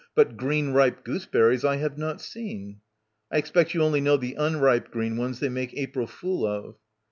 But green ripe gooseberries I have not seen." "I expect you only know the unripe green ones they make April fool of."